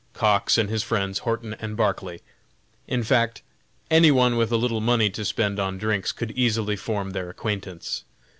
Cox and his friends Horton and Barclay. In fact any one with a little money to spend on drinks could easily form their acquaintance.